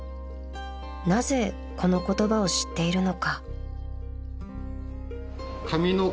［なぜこの言葉を知っているのか］